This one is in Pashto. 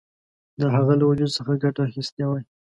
د هغه له وجود څخه ګټه اخیستې وای.